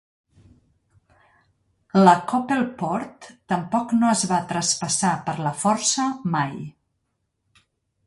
La "koppelpoort" tampoc no es va traspassar per la força mai.